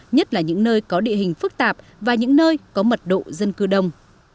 nhất là những nơi có địa hình phức tạp và những nơi có mật độ dân cư đông